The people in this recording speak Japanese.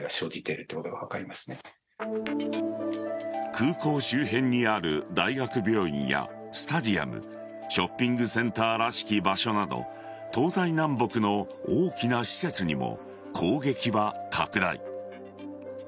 空港周辺にある大学病院やスタジアムショッピングセンターらしき場所など東西南北の大きな施設にも攻撃は拡大。